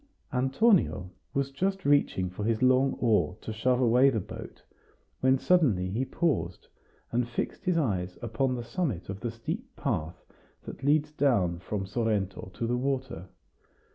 Antonio was just reaching for his long oar to shove away the boat, when suddenly he paused, and fixed his eyes upon the summit of the steep path that leads down from Sorrento to the water.